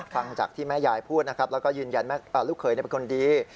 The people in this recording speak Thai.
ฟังจากที่แม่ยายพูดนะครับแล้วก็ยืนยันลูกเขยเป็นคนดี